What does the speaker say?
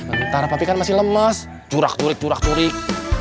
bentar papi kan masih lemes jurak jurik jurak jurik